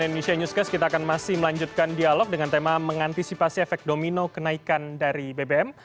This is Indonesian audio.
cnn indonesia newscast kita akan masih melanjutkan dialog dengan tema mengantisipasi efek domino kenaikan dari bbm